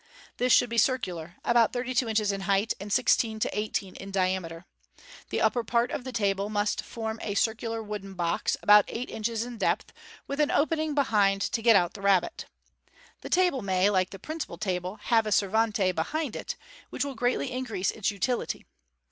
This should be circular 5 about thirty two inches in height, and sixteen to eighteen in diameter. The upper part of the table must form a circular wooden box, about eight inches in depth, with an open ing behind to get out the rabbit. The table may, like the principal table, have a servante behind it, which will greatly increase its utility.